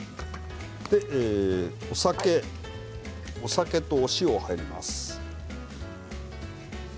お酒とお塩が入ります。